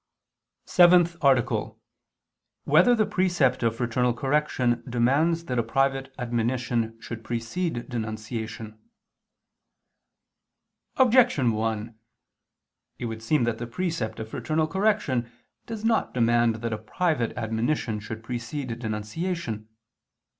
_______________________ SEVENTH ARTICLE [II II, Q. 33, Art. 7] Whether the Precept of Fraternal Correction Demands That a Private Admonition Should Precede Denunciation? Objection 1: It would seem that the precept of fraternal correction does not demand that a private admonition should precede denunciation.